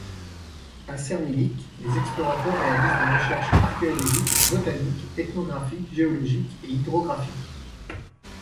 À Sermilik, les explorateurs réalisent des recherches archéologiques, botaniques, ethnographiques, géologiques et hydrographiques.